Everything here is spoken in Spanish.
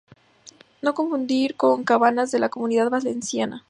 No confundir con Cabanas de la Comunidad Valenciana.